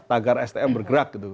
agar stm bergerak gitu